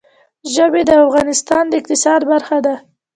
ژبې د افغانستان د اقتصاد برخه ده.